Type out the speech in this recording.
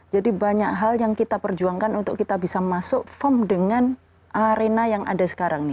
jadi banyak hal yang kita perjuangkan untuk kita bisa masuk form dengan arena yang ada sekarang